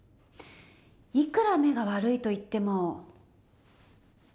いくら目が悪いといっても。